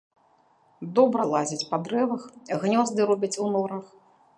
Добра лазяць па дрэвах, гнёзды робяць у норах.